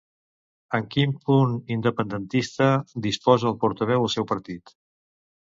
En quin punt independentista disposa el portaveu el seu partit?